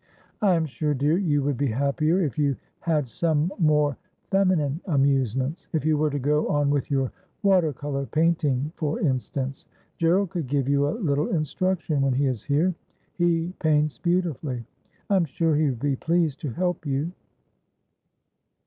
' I am sure, dear, you would be happier if you had some more feminine amusements ; if you were to go on with your water colour painting, for instance. Gerald could give you a little instruction when he is here. He paints beautifully. I'm sure he would be pleased to help you.'